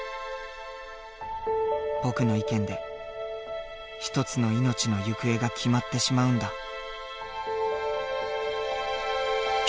僕の意見で一つの命の行方が決まってしまうんだ。